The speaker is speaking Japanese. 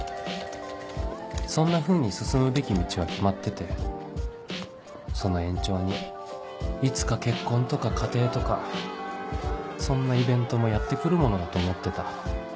そんなふうに進むべき道は決まっててその延長にいつか結婚とか家庭とかそんなイベントもやってくるものだと思ってた